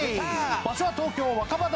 場所は東京若葉台。